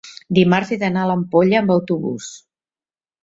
dimarts he d'anar a l'Ampolla amb autobús.